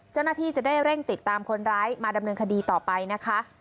เจ้าหน้าที่จะได้เร่งติดตามคนร้ายมาดำเนินคดีต่อไปนะคะ